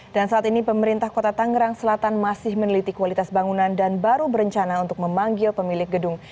dan saat ini pemerintah kota tangerang selatan masih meneliti kualitas bangunan dan baru berencana untuk memanggil pemilik gedung